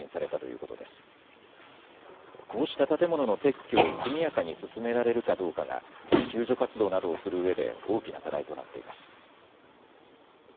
こうした建物の撤去を速やかに進められるかどうかが救助活動などをするうえで大きな課題となっています。